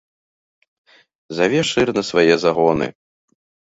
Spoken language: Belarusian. Заве шыр на свае загоны.